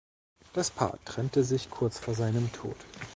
Das Paar trennte sich kurz vor seinem Tod.